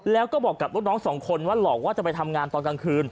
แล้วก็บอกกับลูกน้องสองคนว่าหลอกว่าจะไปทำงานตอนกลางคืน